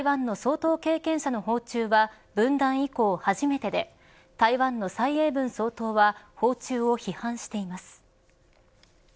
台湾の総統経験者の訪中は分断以降、初めてで台湾の蔡英文総統は訪中を批判しています。